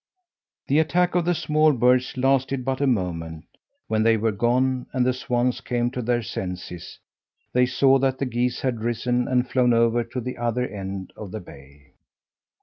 The attack of the small birds lasted but a moment. When they were gone and the swans came to their senses, they saw that the geese had risen and flown over to the other end of the bay.